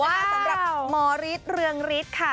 สำหรับหมอฤทธิ์เรืองฤทธิ์ค่ะ